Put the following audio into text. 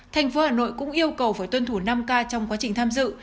thành phố hà nội cũng yêu cầu phải tuân thủ năm k trong quá trình tham dự